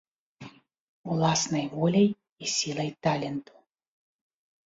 Уласнай воляй і сілай таленту.